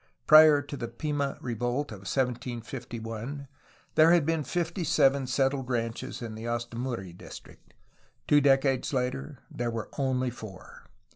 Prior to the Pima revolt of 1751 there had been fifty seven settled ranches in the Ostimuri district ; two decades later there were only four.